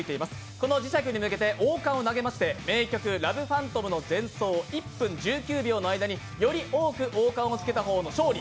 この磁石に向けて王冠を投げまして、名曲「ＬＯＶＥＰＨＡＮＴＯＭ」の前奏１分１９秒の間により多く王冠をつけた方の勝利。